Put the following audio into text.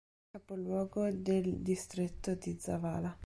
È il capoluogo del distretto di Zavala.